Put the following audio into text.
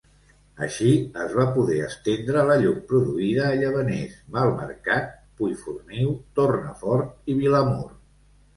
Així, es va poder estendre la llum produïda a Llavaners, Malmercat, Puiforniu, Tornafort i Vilamur.